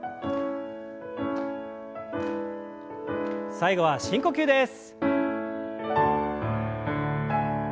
最後は深呼吸です。